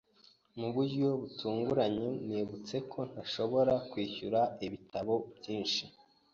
Mu buryo butunguranye, nibutse ko ntashobora kwishyura ibitabo byinshi.